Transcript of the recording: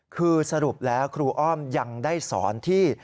คือสรุปแล้วครูอ้อมยังได้สอนที่